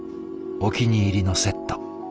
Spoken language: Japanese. お気に入りのセット。